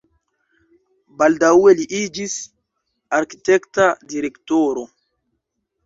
Baldaŭe li iĝis arkitekta direktoro.